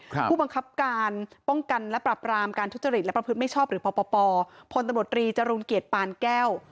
ผู้บังคับการป้องกันและปรับรามการทุจริตและประพฤติไม่ชอบหรือปปพลตำรวจรีจรูลเกียรติปานแก้ว